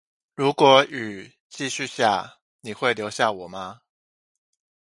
如果雨繼續下，你會留下我嗎